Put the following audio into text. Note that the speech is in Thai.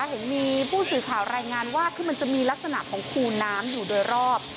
เห็นมีผู้สื่อข่าวรายงานว่าคือมันจะมีลักษณะของคูน้ำอยู่โดยรอบ